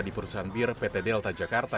di perusahaan bir pt delta jakarta